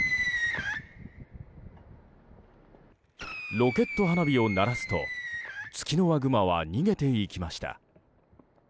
ロケット花火を鳴らすとツキノワグマは逃げていきました。